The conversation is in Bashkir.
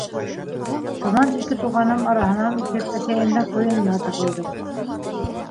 Шунан ике туғаным араһынан үтеп әсәйемдең ҡуйынына тығылдым.